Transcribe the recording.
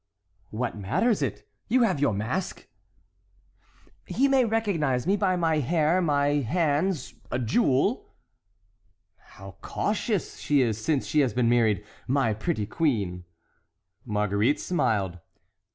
"What matters it? You have your mask." "He may recognize me by my hair, my hands, a jewel." "How cautious she is since she has been married, my pretty queen!" Marguerite smiled.